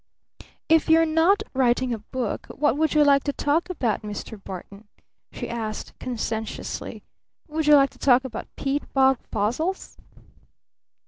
"If you're not writing a book, what would you like to talk about, Mr. Barton?" she asked conscientiously. "Would you like to talk about peat bog fossils?"